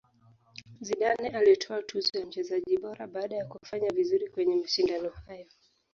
zidane alitwaa tuzo ya mchezaji bora baada ya kufanya vizuri kwenye mashindano hayo